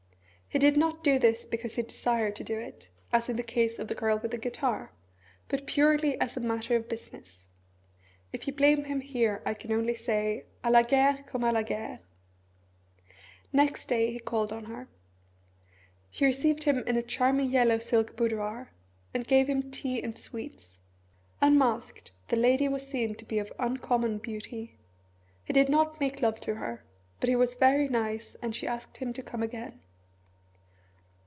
He did not do this because he desired to do it, as in the case of the Girl with the Guitar, but purely as a matter of business. If you blame him here I can only say "à la guerre comme à la guerre " Next day he called on her. She received him in a charming yellow silk boudoir and gave him tea and sweets. Unmasked, the lady was seen to be of uncommon beauty. He did not make love to her but he was very nice, and she asked him to come again.